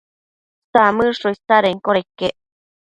Samëdsho isadenquioda iquec